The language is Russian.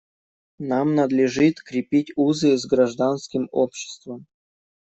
Нам надлежит крепить узы с гражданским обществом.